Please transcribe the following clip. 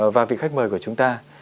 và vị khách mời của chúng ta